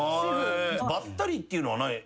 ばったりっていうのはない。